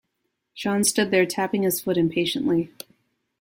Sean stood there tapping his foot impatiently.